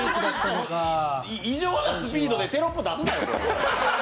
異常なスピードでテロップ出すなよ。